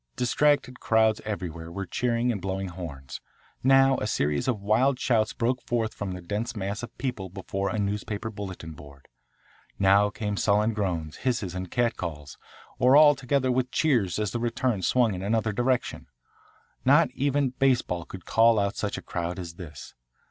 Distracted crowds everywhere were cheering and blowing horns. Now a series of wild shouts broke forth from the dense mass of people before a newspaper bulletin board. Now came sullen groans, hisses, and catcalls, or all together with cheers as the returns swung in another direction. Not even baseball could call out such a crowd as this.